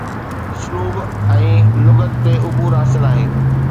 اسلوب ۽ لغت تي عبور حاصل آهي